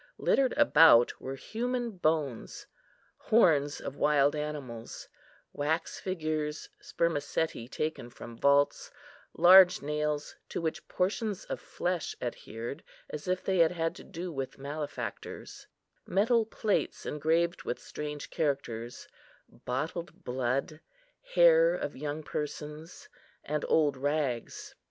Littered about were human bones, horns of wild animals, wax figures, spermaceti taken from vaults, large nails, to which portions of flesh adhered, as if they had had to do with malefactors, metal plates engraved with strange characters, bottled blood, hair of young persons, and old rags.